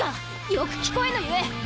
よく聞こえぬゆえ！